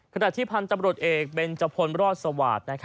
ขณะที่พันธุ์ตำรวจเอกเบนเจ้าพลฯรอดศวาถ